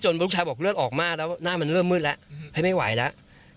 ลูกชายบอกเลือดออกมากแล้วหน้ามันเริ่มมืดแล้วให้ไม่ไหวแล้ว